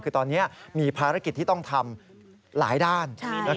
คือตอนนี้มีภารกิจที่ต้องทำหลายด้าน